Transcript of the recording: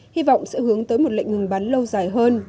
hy vọng sẽ hướng tới một lệnh ngừng bắn lâu dài hơn